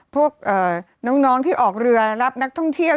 พวกน้องที่ออกเรือรับนักท่องเที่ยว